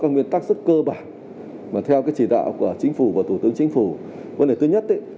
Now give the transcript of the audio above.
các nguyên tắc rất cơ bản mà theo cái chỉ đạo của chính phủ và thủ tướng chính phủ vấn đề thứ nhất